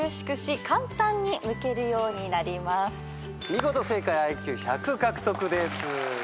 見事正解ＩＱ１００獲得です。